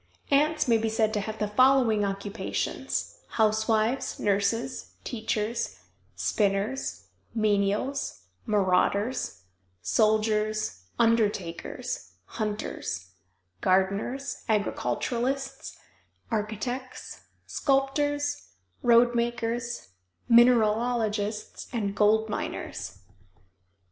Ants may be said to have the following occupations: Housewives, nurses, teachers, spinners, menials, marauders, soldiers, undertakers, hunters, gardeners, agriculturalists, architects, sculptors, road makers, mineralogists, and gold miners.